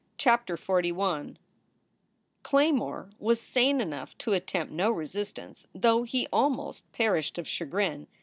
CHAPTER XLI /^>LAYMORE was sane enough to attempt no resistance, \^s though he almost perished of chagrin.